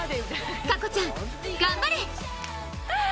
夏子ちゃん、頑張れ！